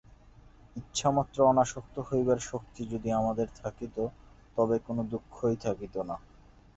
ইচ্ছামাত্র অনাসক্ত হইবার শক্তি যদি আমাদের থাকিত, তবে কোন দুঃখই থাকিত না।